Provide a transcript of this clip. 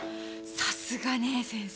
さすがね先生。